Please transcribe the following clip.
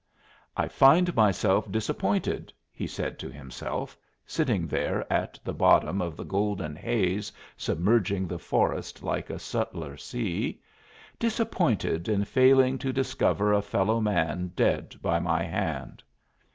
"I find myself disappointed," he said to himself, sitting there at the bottom of the golden haze submerging the forest like a subtler sea "disappointed in failing to discover a fellow man dead by my hand!